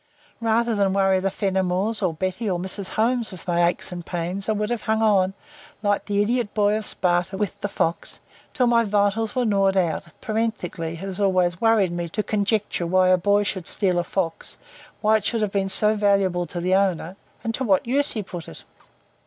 Rather than worry the Fenimores or Betty or Mrs. Holmes with my aches and pains I would have hung on, like the idiot boy of Sparta with the fox, until my vitals were gnawed out parenthetically, it has always worried me to conjecture why a boy should steal a fox, why it should have been so valuable to the owner, and to what use he put it.